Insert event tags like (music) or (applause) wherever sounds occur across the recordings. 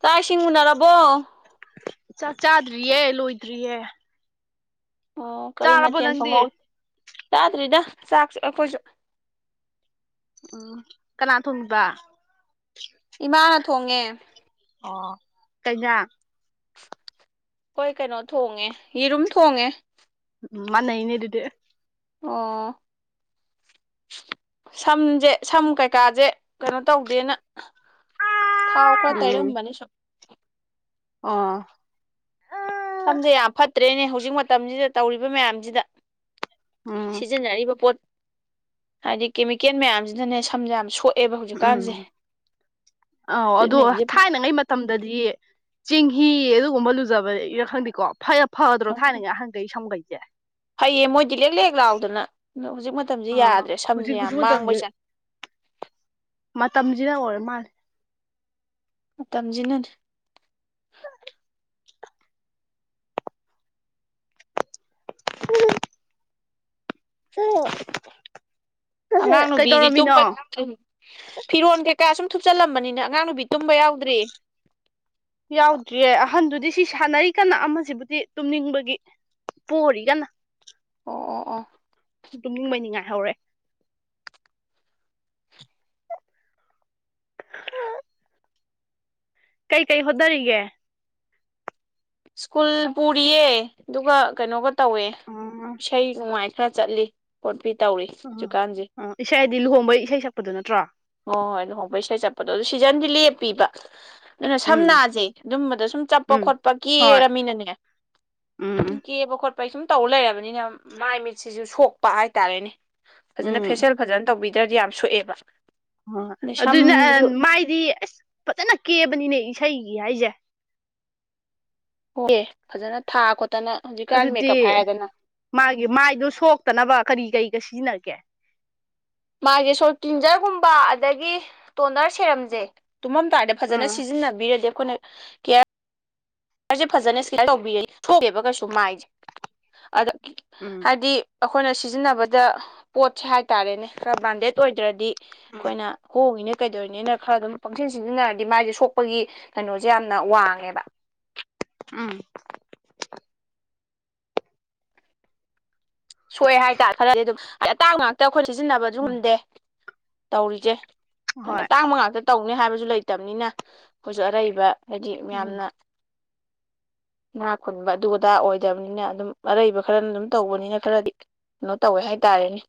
ꯆꯥꯛ ꯏꯁꯤꯡ ꯃꯨꯟꯅꯔꯕꯣ ꯥꯆꯥꯛ ꯆꯥꯗ꯭ꯔꯤꯌꯦ ꯂꯣꯏꯗ꯭ꯔꯤꯌꯦ ꯑꯣ ꯀꯔꯤ ꯆꯥꯔꯕꯣ ꯃꯊꯦꯜ ꯅꯪꯗꯤ ꯐꯣꯡꯍꯧ ꯆꯥꯗ꯭ꯔꯤꯗ ꯆꯥꯛꯁꯨ ꯑꯩꯈꯣꯏꯁꯨ ꯎꯝ ꯀꯅꯥ ꯊꯣꯡꯕꯤꯕ ꯏꯃꯥꯅ ꯊꯣꯡꯉꯦ ꯑꯣ ꯀꯩꯩꯖꯥꯡ ꯑꯩꯈꯣꯏ ꯀꯩꯅꯣ ꯊꯣꯡꯉꯦ ꯌꯦꯔꯨꯝ ꯊꯣꯡꯉꯦ ꯎꯝ ꯃꯥꯟꯅꯩꯅꯦ ꯑꯗꯨꯗꯤ ꯑꯣ ꯁꯝꯖꯦ ꯁꯝ ꯀꯩꯀꯥꯖꯦ ꯀꯩꯅꯣ ꯇꯧꯗꯦꯅ ꯊꯥꯎ ꯈꯔ ꯎꯝ ꯇꯩꯔꯝꯕꯅꯤ ꯁꯨꯝ ꯑꯣ ꯁꯝꯖꯦ ꯌꯥꯝ ꯐꯠꯇ꯭ꯔꯦꯅꯦ ꯍꯧꯖꯤꯛ ꯃꯇꯝꯖꯤꯗ ꯇꯧꯔꯤꯕ ꯃꯌꯥꯝꯖꯤꯗ ꯎꯝ ꯁꯤꯖꯤꯟꯅꯔꯤꯕ ꯄꯣꯠ ꯍꯥꯏꯗꯤ ꯀꯦꯃꯤꯀꯦꯟ ꯃꯌꯥꯝꯖꯤꯅꯅꯦ ꯁꯝꯖꯦ ꯌꯥꯝ ꯁꯣꯛ ꯎꯝ ꯑꯥꯎ ꯑꯗꯣ ꯇ꯭ꯔꯤꯠꯃꯦꯟꯁꯦ ꯊꯥꯏꯅꯉꯩ ꯃ ꯃꯇꯝꯗꯗꯤ ꯆꯦꯡꯍꯤ ꯑꯗꯨꯒꯨꯝꯕ ꯂꯨꯖꯕꯗꯩꯔ ꯈꯪꯗꯦꯀꯣ ꯐꯩ (unintelligible) ꯐꯗ꯭ꯔꯣ ꯊꯥꯏꯅꯉꯩ ꯑꯍꯟꯒꯩ ꯁꯝꯒꯩꯖꯦ ꯐꯩꯌꯦ ꯃꯣꯏꯗꯤ ꯂꯦꯛ ꯂꯦꯛ ꯂꯥꯎꯗꯅ ꯑꯗꯣ ꯍꯧꯖꯤꯛ ꯃꯇꯝꯖꯦ ꯌꯥꯗ꯭ꯔꯦ ꯁꯝꯖꯦ ꯌꯥꯝ ꯃꯥꯡꯕꯩ ꯆꯥꯡ ꯃꯇꯝꯖꯤꯅ ꯑꯣꯔ ꯃꯥꯥꯜ ꯃꯇꯝꯖꯤꯅꯅꯦ ꯎꯝ ꯑꯉꯥꯡ ꯅꯨꯨꯕꯤꯗꯤ ꯀꯩꯗꯧꯔꯝꯃꯤꯅꯣ ꯇꯨꯝꯕ ꯑꯝ ꯐꯤꯔꯣꯟ ꯀꯩ ꯀꯥ ꯁꯨꯝ ꯊꯨꯞꯆꯜꯂꯝꯕꯅꯤꯅ ꯑꯉꯥꯡ ꯅꯨꯕꯤ ꯇꯨꯝꯕ ꯌꯥꯎꯗ꯭ꯔꯤ ꯌꯥꯎꯗ꯭ꯔꯤꯌꯦ ꯑꯍꯟꯗꯨꯗꯤ ꯁꯤ ꯁꯥꯟꯅꯔꯤ ꯀꯟꯅ ꯑꯃꯁꯤꯕꯨꯗꯤ ꯇꯨꯝꯅꯤꯡꯕꯒꯤ ꯄꯣꯔꯤ ꯀꯟꯅ ꯑꯣ ꯑꯣ ꯑꯣ ꯇꯨꯝꯅꯤꯡꯕꯩ ꯅꯤꯡꯉꯥꯏ ꯍꯧꯔꯦ ꯀꯩ ꯀꯩ ꯍꯣꯠꯅꯔꯤꯒꯦ ꯁ꯭ꯀꯨꯜ ꯄꯨꯔꯤꯌꯦ ꯑꯗꯨꯒ ꯀꯩꯅꯣꯒ ꯇꯧꯋꯦ ꯑꯣ ꯏꯁꯩ ꯅꯨꯃꯥꯏ ꯈꯔ ꯆꯠꯂꯤ ꯀꯣꯟ ꯄꯤ ꯇꯧꯔꯤ ꯎꯝ ꯍꯧꯖꯤꯛꯀꯥꯟꯁꯦ ꯎꯝ ꯏꯁꯩꯗꯤ ꯂꯨꯍꯣꯡꯕꯩ ꯏꯁꯩ ꯁꯛꯄꯗꯨ ꯅꯠꯇ꯭ꯔꯣ ꯍꯣ ꯍꯣꯏ ꯂꯨꯍꯣꯡꯕꯩ ꯏꯁꯩ ꯆꯠꯄꯗꯣ ꯑꯗꯨ ꯁꯤꯖꯟꯗꯤ ꯂꯦꯞꯄꯤꯕ ꯑꯗꯨꯅ ꯎꯝ ꯁꯝꯅꯥꯖꯦ ꯑꯗꯨꯝꯕꯗ ꯁꯨꯝ ꯆꯠꯄ ꯎꯝ ꯈꯣꯠꯄ ꯍꯣꯏ ꯀꯦꯔꯃꯤꯅꯅꯦ ꯎꯝ ꯍꯝ ꯎꯝ ꯀꯦꯕ ꯈꯣꯠꯄꯩ ꯁꯨꯝ ꯇꯧ ꯂꯩꯔꯕꯅꯤꯅ ꯃꯥꯏ ꯃꯤꯠꯁꯤꯖꯨ ꯁꯣꯛꯄ ꯍꯥꯏꯇꯥꯔꯦꯅꯦ ꯐꯖꯅ ꯎꯝ ꯐꯦꯁꯦꯜ ꯐꯖꯅ ꯇꯧꯕꯤꯗ꯭ꯔꯗꯤ ꯌꯥꯝ ꯁꯣꯛꯑꯦꯕ ꯍꯣ ꯍꯣꯏ ꯑꯗꯩ ꯑꯗꯨꯅ ꯑ ꯁꯝꯁꯨ ꯃꯥꯏꯗꯤ ꯑꯁ ꯐꯖꯅ ꯀꯦꯕꯅꯤꯅꯦ ꯏꯁꯩꯒꯤ ꯍꯥꯏꯖꯦ ꯍꯣ ꯀꯦ ꯐꯖꯅ ꯊꯥ ꯈꯣꯠꯇꯅ ꯍꯧꯖꯤꯛꯀꯥꯟ ꯑꯗꯨꯗꯤ ꯃꯦꯀꯞ ꯍꯥꯏꯔꯦꯗꯅ ꯃꯥꯒꯤ ꯃꯥꯏꯗꯨ ꯁꯣꯛꯇꯅꯕ ꯀꯔꯤ ꯀꯔꯤꯒ ꯁꯤꯖꯤꯟꯅꯒꯦ ꯃꯥꯏꯖꯦ ꯁꯣꯛ ꯀ꯭ꯂꯤꯟꯖꯔꯒꯨꯝꯕ ꯑꯗꯒꯤ ꯇꯣꯅꯔ ꯁꯦꯔꯝꯖꯦ ꯇꯨꯝꯃꯝꯗꯥꯏꯗ ꯐꯖꯅ ꯎꯝ ꯁꯤꯖꯤꯟꯅꯕꯤꯔꯗꯤ ꯑꯩꯈꯣꯏꯅ ꯔꯁꯦ ꯐꯖꯅ ꯁꯣꯛꯇꯦꯕ ꯀꯩꯁꯨ ꯃꯥꯏꯁꯦ ꯑꯗ ꯎꯝ ꯍꯥꯏꯗꯤ ꯑꯩꯈꯣꯏꯅ ꯁꯤꯖꯤꯟꯅꯕꯗ ꯄꯣꯠꯁꯦ ꯍꯥꯏ ꯇꯥꯔꯦꯅꯦ ꯈꯔ ꯕ꯭ꯔꯥꯟꯗꯦꯠ ꯑꯣꯏꯗ꯭ꯔꯗꯤ ꯑꯩꯈꯣꯏꯅ ꯍꯣꯡꯉꯤꯅꯦ ꯀꯩꯗꯧꯔꯤꯅꯦꯅ ꯈꯔ ꯑꯗꯨꯝ ꯄꯪꯁꯤꯟ ꯁꯤꯟꯖꯤꯟꯅꯔꯗꯤ ꯃꯥꯏꯁꯦ ꯁꯣꯛꯄꯒꯤ ꯀꯩꯅꯣꯁꯦ ꯌꯥꯝꯅ ꯋꯥꯡꯉꯦꯕ ꯎꯝ ꯁꯣꯛꯑꯦ ꯍꯥꯏꯇꯥꯔꯦ ꯈꯔꯗꯤ ꯑꯗꯨꯝ ꯍꯥꯏꯗꯤ ꯑꯇꯥꯡ ꯉꯥꯛꯇ ꯑꯩꯈꯣꯏ ꯁꯤꯖꯤꯟꯅꯕꯁꯨ ꯎꯝ ꯉꯝꯗꯦ ꯇꯧꯔꯤꯁꯦ ꯍꯣꯏ ꯇꯥꯡꯕ ꯉꯥꯛꯇ ꯇꯧꯅꯤ ꯍꯥꯏꯕꯁꯨ ꯂꯩꯇꯕꯅꯤꯅ ꯑꯩꯈꯣꯏꯁꯨ ꯑꯔꯩꯕ ꯍꯥꯏꯗꯤ ꯎꯝ ꯃꯌꯥꯝꯅ ꯥ ꯏꯅꯥꯈꯨꯟꯕ ꯑꯗꯨ ꯑꯗꯥ ꯑꯣꯏꯗꯕꯅꯤꯅ ꯑꯗꯨꯝ ꯑꯔꯩꯕ ꯈꯔꯅ ꯑꯗꯨꯝ ꯇꯧꯕꯅꯤꯅ ꯈꯔꯗꯤ ꯀꯩꯅꯣ ꯇꯧꯋꯦ ꯍꯥꯏꯇꯥꯔꯦꯅꯦ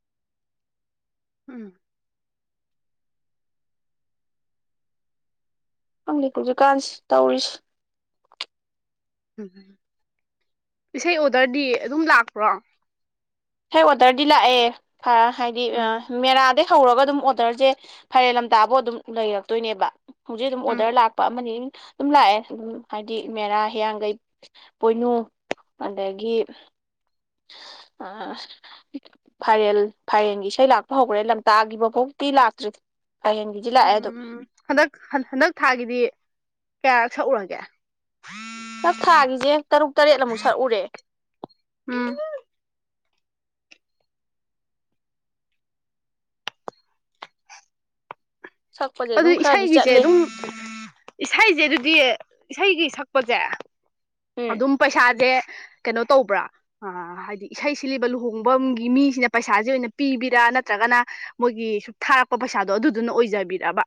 ꯎꯝ ꯈꯪꯗꯦ ꯍꯧꯖꯤꯛꯀꯥꯟꯁꯤ ꯇꯧꯔꯤꯁꯤ ꯎꯝ ꯏꯁꯩ ꯑꯣꯗꯔꯗꯤ ꯑꯗꯨꯝ ꯂꯥꯛꯄ꯭ꯔꯣ ꯏꯁꯩ ꯑꯣꯗꯔꯗꯤ ꯂꯥꯛꯑꯦ ꯍꯥꯏꯗꯤ ꯎꯝ ꯃꯦꯔꯥꯗꯩ ꯍꯧꯔꯒ ꯑꯗꯨꯝ ꯑꯣꯔꯗꯔꯁꯦ ꯐꯥꯏꯔꯦꯜ ꯂꯝꯇꯥꯐꯥꯎ ꯑꯗꯨꯝ ꯂꯩꯔꯛꯇꯣꯏꯅꯦꯕ ꯍꯧꯖꯤꯛ ꯑꯗꯨꯝ ꯎꯝ ꯑꯣꯔꯗꯔ ꯂꯥꯛ ꯄ ꯑꯃꯅꯤ ꯑꯗꯨꯝ ꯂꯥꯛꯑꯦ ꯑꯗꯨꯝ ꯍꯥꯏꯗꯤ ꯃꯦꯔꯥ ꯍꯤꯌꯥꯡꯒꯩ ꯄꯣꯏꯅꯨ ꯑꯗꯒꯤ ꯑ ꯐꯥꯏꯔꯦꯟ ꯐꯥꯏꯔꯦꯟꯒꯤ ꯏꯁꯩ ꯂꯥꯛꯄ ꯍꯧꯈ꯭ꯔꯦ ꯂꯝꯇꯥꯒꯤꯕ ꯐꯥꯎꯗꯤ ꯂꯥꯛꯇ꯭ꯔꯤ ꯍꯌꯦꯡꯒꯤꯗꯤ ꯂꯥꯛꯑꯦ ꯑꯗꯨꯝ ꯎꯝ ꯍꯟꯗꯛ ꯍꯟꯗꯛ ꯊꯥꯒꯤꯗꯤ ꯀꯌꯥꯔꯛ ꯁꯛꯎꯔꯒꯦ ꯅ ꯊꯥꯒꯤꯁꯦ ꯇꯔꯨꯛ ꯇꯔꯦꯠꯂ ꯃꯨꯛ ꯁꯛꯎꯔꯦ ꯎꯝ ꯁꯛꯄꯁꯦ ꯑꯗꯨ ꯑꯗꯨꯝ ꯈꯔꯗꯤ ꯏꯁꯩꯒꯤꯁꯦ ꯆꯠꯂꯤ ꯑꯗꯨꯝ ꯏꯁꯩꯁꯦ ꯑꯗꯨꯗꯤ ꯏꯁꯩꯒꯤ ꯁꯛꯄꯁꯦ ꯎꯝ ꯑꯗꯨꯝ ꯄꯩꯁꯥꯁꯦ ꯀꯩꯅꯣ ꯇꯧꯕ꯭ꯔꯥ ꯑ ꯍꯥꯏꯗꯤ ꯏꯁꯩ ꯁꯤꯜꯂꯤꯕ ꯂꯨꯍꯣꯡꯕꯝꯒꯤ ꯃꯤꯁꯤꯅ ꯄꯩꯁꯥꯁꯦ ꯑꯣꯏꯅ ꯄꯤꯕꯤꯔ ꯅꯠꯇ꯭ꯔꯒꯅ ꯃꯣꯏꯒꯤ ꯁꯨꯝ ꯊꯥꯔꯛꯄ ꯄꯩꯁꯥꯗꯣ ꯑꯗꯨꯗꯨꯅ ꯑꯣꯏꯖꯕꯤꯔꯕ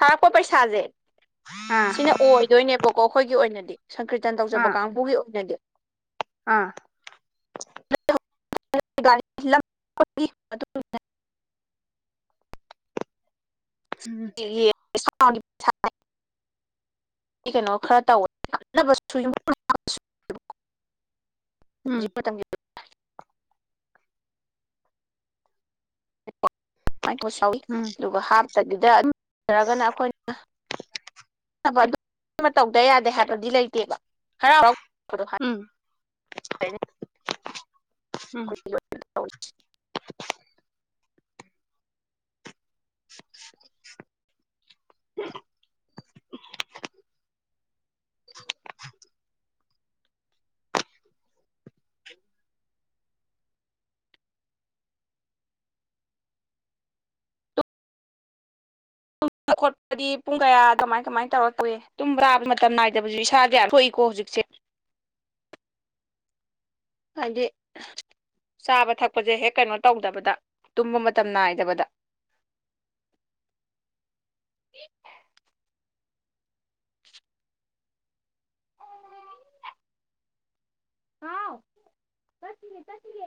ꯊꯥꯔꯛꯄ ꯄꯩꯁꯥꯁꯦ ꯑꯥ ꯁꯤꯅ ꯑꯣꯏꯗꯣꯏꯅꯦꯕꯀꯣ ꯑꯩꯈꯣꯏꯒꯤ ꯑꯣꯏꯅꯗꯤ ꯁꯪꯀ꯭ꯔꯤꯇꯟ ꯇꯧꯖꯕ ꯑꯥ ꯀꯥꯡꯕꯨꯒꯤ ꯑꯣꯏꯅꯗꯤ ꯑꯥ (unintelligible) ꯎꯝ (unintelligible) ꯀꯩꯅꯣ ꯈꯔ ꯇꯧꯑꯦ ꯎꯝ (unintelligible) (unintelligible) ꯥ (unintelligible) ꯎꯝ ꯑꯗꯨꯒ ꯍꯥꯞꯇꯕꯤꯗ ꯑꯗꯨꯔꯒꯅ ꯑꯩꯈꯣꯏꯅ ꯑ ꯑꯗꯨ ꯇꯧꯗ ꯌꯥꯗꯦ ꯍꯥꯏꯕꯗꯤ ꯂꯩꯇꯦꯕ ꯍꯔꯥꯎ (inaudible) ꯎꯝ ꯍꯥꯏ (unintelligible) ꯎꯝ ꯇꯧ (inaudible) ꯇꯨꯝꯕ ꯈꯣꯠꯄꯗꯤ ꯄꯨꯡ ꯀꯌꯥ ꯀꯃꯥꯏ ꯀꯃꯥꯏꯅ ꯇꯧꯔ ꯇꯧꯏ ꯇꯨꯝꯕ꯭ꯔꯥ ꯃꯇꯝ ꯅꯥꯏꯗꯕꯁꯨ ꯏꯁꯥꯥꯗ ꯌꯥꯝ ꯁꯣꯛꯏꯀꯣ ꯍꯧꯖꯤꯛꯁꯦ ꯍꯥꯏꯗꯤ ꯆꯥꯕ ꯊꯛꯄꯁꯦ ꯍꯦꯛ ꯀꯩꯅꯣ ꯇꯧꯗꯕꯗ ꯇꯨꯝꯕ ꯃꯇꯝ ꯅꯥꯏꯗꯕꯗ ꯍꯥꯎ ꯆꯠꯇꯤꯌꯦ ꯆꯠꯇꯤꯌꯦ